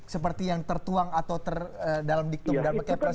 seperti yang tertuang atau dalam diktum dalam kepres itu ya bang